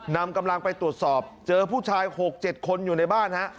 นำกำลังไปตรวจสอบเจอผู้ชาย๖๗คนอยู่ในบ้านฮะ